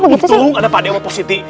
untung ada pak d sama pak siti